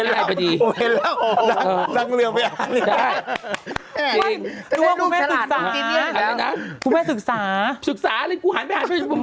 มีรูปภาษีมาก